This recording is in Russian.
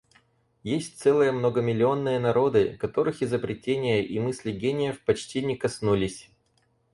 Есть целые многомиллионные народы, которых изобретения и мысли гениев почти не коснулись.